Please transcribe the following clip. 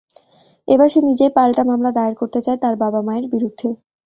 এবার সে নিজেই পাল্টা মামলা দায়ের করতে চায় তার বাবা-মায়ের বিরুদ্ধে।